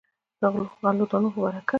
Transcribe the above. د غلو دانو په برکت.